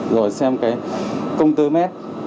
rồi xem cái công tơ mét